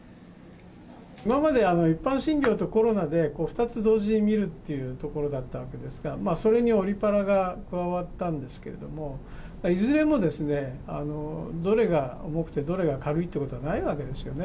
今まで一般診療とコロナで２つ同時に診るっていうところだったわけですが、それにオリパラが加わったんですけれども、いずれも、どれが重くて、どれが軽いとかっていうことはないわけですよね。